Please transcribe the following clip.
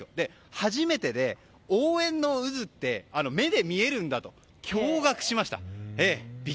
初めてで応援の渦って目で見えるんだと驚愕しました。